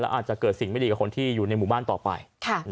อาจจะเกิดสิ่งไม่ดีกับคนที่อยู่ในหมู่บ้านต่อไป